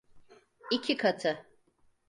İki katı.